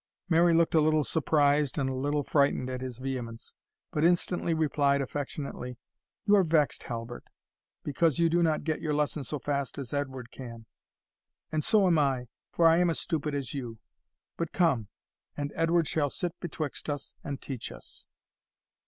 Mary looked a little surprised and a little frightened at his vehemence, but instantly replied affectionately, "You are vexed, Halbert, because you do not get your lesson so fast as Edward can; and so am I, for I am as stupid as you But come, and Edward shall sit betwixt us and teach us."